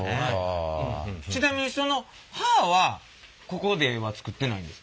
ちなみにその刃はここでは作ってないんですか？